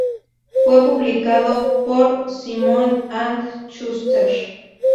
Fue publicado por Simon and Schuster.